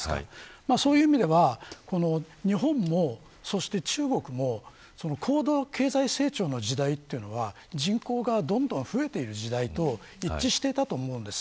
そういう意味では日本も中国も高度経済成長の時代というのは人口がどんどん増えている時代と一致していたと思うんです。